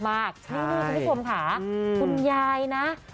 นี่คุณพี่สวมขาคุณยายนะ